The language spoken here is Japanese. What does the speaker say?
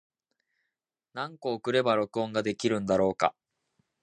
何個送れば録音ができるんだろうか。